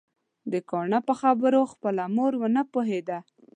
د کاڼه په خبرو خپله مور ونه پوهيده